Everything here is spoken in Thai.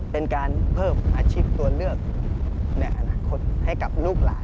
เป็นการเพิ่มอาชีพตัวเลือกในอนาคตให้กับลูกหลาน